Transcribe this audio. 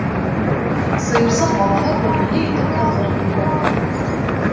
Сыйырсыҡ балаһы күңелле итеп һыҙғырып ебәрҙе: